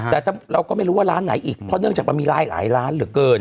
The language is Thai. แต่เราก็ไม่รู้ว่าร้านไหนอีกเพราะเนื่องจากมันมีรายหลายล้านเหลือเกิน